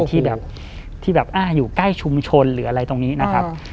ที่แบบที่แบบอยู่ใกล้ชุมชนหรืออะไรตรงนี้นะครับ